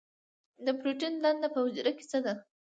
د پروټین دنده په حجره کې څه ده؟